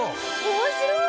面白い！